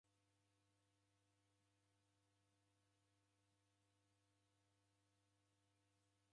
Nyumba yapedu ni mbaa cheni, eka na vumba visanu.